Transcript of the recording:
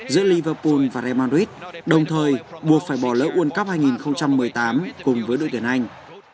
giữa liverpool và real madrid đồng thời buộc phải bỏ lỡ world cup hai nghìn một mươi tám cùng với đội tuyển anh